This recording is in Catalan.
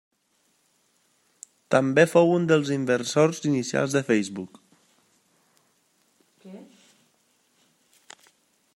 També fou un dels inversors inicials de Facebook.